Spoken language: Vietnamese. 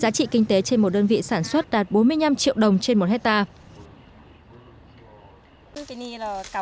giá trị kinh tế trên một đơn vị sản xuất đạt bốn mươi năm triệu đồng trên một hectare